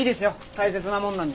大切なものなんで。